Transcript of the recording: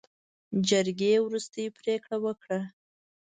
جرګې وروستۍ پرېکړه وکړه.